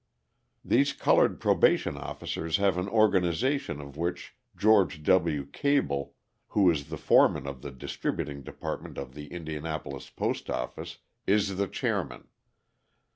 These coloured probation officers have an organisation of which George W. Cable, who is the foreman of the distributing department of the Indianapolis post office, is the chairman.